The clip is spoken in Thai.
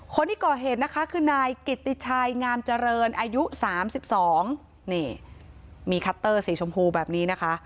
คนที่ก่อเหตุนะคะคือนายกิตติชัยงามเจริญอายุ๓๒นี่มีคัตเตอร์สีชมพูแบบนี้นะคะ